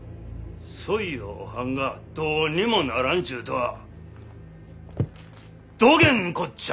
そいをおはんがどうにもならんちゅうとはどげんこっじゃ！